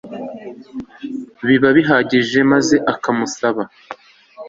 biba bihagije maze akamusaba